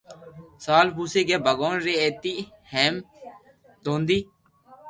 سوال پوسي ڪي ڀگوان ري ايتي ھيم دوندي